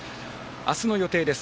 明日の予定です。